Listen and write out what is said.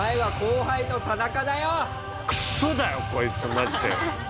クソだよこいつマジで。